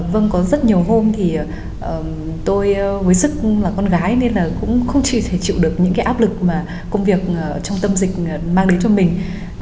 vâng có rất nhiều hôm thì tôi với sức là con gái nên là cũng không chỉ thể chịu được những cái áp lực mà công việc trong tâm dịch mang đến cho mình